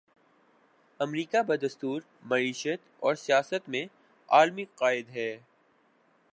امریکہ بدستور معیشت اور سیاست میں عالمی قائد ہے۔